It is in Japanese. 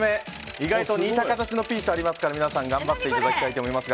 意外と似た形のピースがありますから皆さん、頑張っていただきたいと思います。